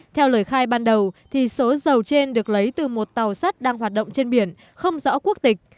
theo lời khai ban đầu số dầu trên được lấy từ một tàu sắt đang hoạt động trên biển không rõ quốc tịch